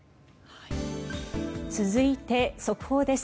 続いて、速報です。